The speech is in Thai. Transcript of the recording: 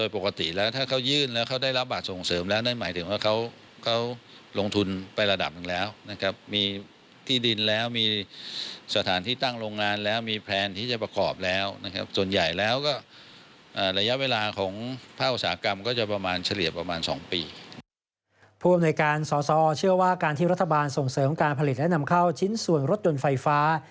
ผู้อำนวยการสอสอเชื่อว่าการที่รัฐบาลส่งเสริมการผลิตและนำเข้าชิ้นส่วนรถยนต์ไฟฟ้า